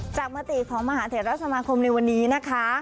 มติของมหาเทศสมาคมในวันนี้นะคะ